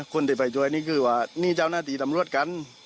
คนที่ไปช่วยนี่คือว่านี่เจ้าหน้าที่ตำรวจกัน